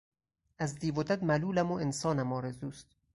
از دیو و دد ملولم و انسانم آرزوست